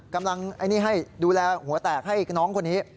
กำลังดูแลหัวแตกให้น้องคนนี้